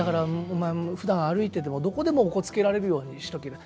「お前もふだん歩いててもどこでもおこつけられるようにしとけよ。